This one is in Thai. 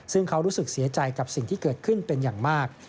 ซึ่งเขารู้สึกเสียใจกับสิ่งที่เกิดขึ้นเป็นอย่างมาก